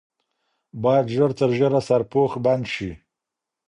باید ژر تر ژره سرپوش بند شي.